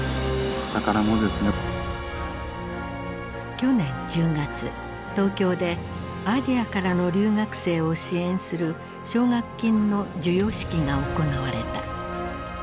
去年１０月東京でアジアからの留学生を支援する奨学金の授与式が行われた。